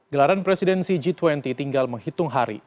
gelaran presidensi g dua puluh tinggal menghitung hari